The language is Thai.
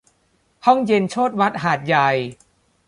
ห้องเย็นโชติวัฒน์หาดใหญ่